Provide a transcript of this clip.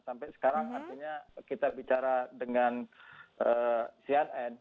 sampai sekarang artinya kita bicara dengan cnn